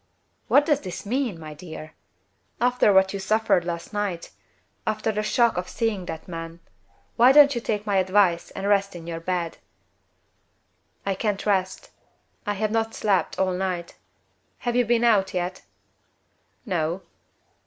"What does this mean, my dear? After what you suffered last night after the shock of seeing that man why don't you take my advice and rest in your bed?" "I can't rest. I have not slept all night. Have you been out yet?" "No."